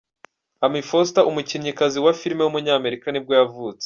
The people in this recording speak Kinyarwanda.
Ami Foster, umukinnyikazi wa film w’umunyamerika nibwo yavutse.